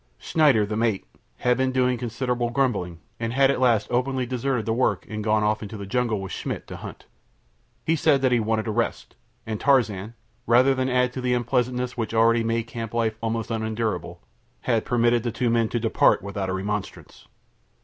Schneider, the mate, had been doing considerable grumbling, and had at last openly deserted the work and gone off into the jungle with Schmidt to hunt. He said that he wanted a rest, and Tarzan, rather than add to the unpleasantness which already made camp life almost unendurable, had permitted the two men to depart without a remonstrance.